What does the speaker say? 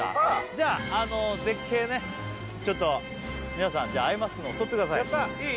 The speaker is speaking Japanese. じゃああの絶景ねちょっと皆さんじゃあアイマスクの方取ってくださいやったいい？